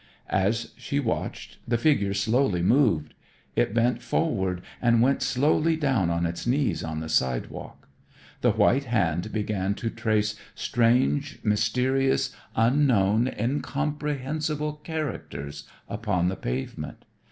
As she watched, the figure slowly moved. It bent forward and went slowly down on its knees on the sidewalk. The white hand began to trace strange, mysterious, unknown, incomprehensible characters upon the pavement.